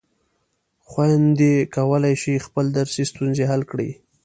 خویندې کولای شي خپلې درسي ستونزې حل کړي.